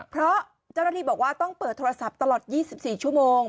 เพราะเจ้าหน้าที่บอกว่าต้องเปิดโทรศัพท์ตลอด๒๔ชั่วโมง